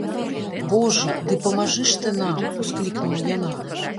- Божа, ды памажы ж ты нам! - усклікнула яна